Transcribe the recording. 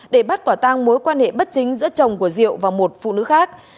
để bắt quả tăng mối quan hệ bất chính giữa chồng của diệu và một phụ nữ khác